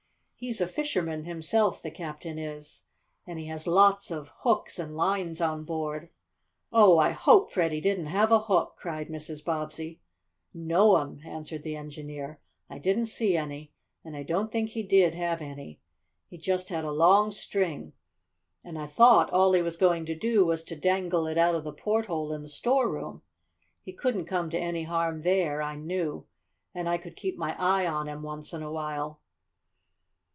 He's a fisherman himself, the captain is, and he has lots of hooks and lines on board." "Oh, I hope Freddie didn't have a hook!" cried Mrs. Bobbsey. "No'm," answered the engineer. "I didn't see any, and I don't think he did have any. He just had a long string, and I thought all he was going to do was to dangle it out of the porthole in the storeroom. He couldn't come to any harm there, I knew, and I could keep my eye on him once in a while."